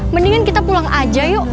mendingan kita pulang aja yuk